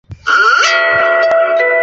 授山西平遥县知县。